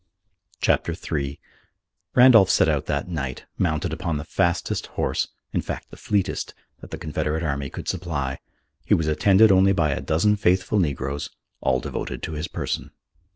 CHAPTER III Randolph set out that night, mounted upon the fastest horse, in fact the fleetest, that the Confederate Army could supply. He was attended only by a dozen faithful negroes, all devoted to his person.